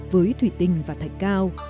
với thủy tinh và thạch cao